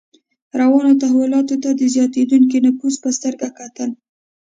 روانو تحولاتو ته د زیاتېدونکي نفوذ په سترګه کتل.